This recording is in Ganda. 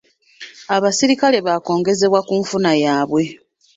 Abaserikale baakwongezebwa ku nfuna yaabwe.